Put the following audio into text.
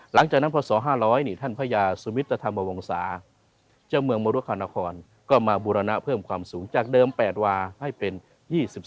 หลังจากนั้นพศ๕๐๐นี่ท่านพระยาสุมิตรธรรมวงศาเจ้าเมืองมรุคานครก็มาบูรณะเพิ่มความสูงจากเดิม๘วาให้เป็น๒๔